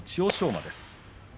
馬です。